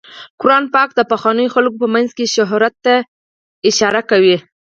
قرآن پاک د پخوانیو خلکو په مینځ کې شهرت ته اشاره کوي.